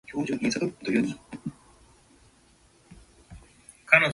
別々のものが、とけあって区別がつかないこと。